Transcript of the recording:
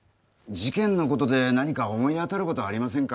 事件のことで何か思い当たることはありませんか？